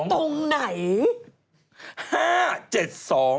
ตรงไหน